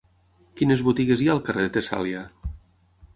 Quines botigues hi ha al carrer de Tessàlia?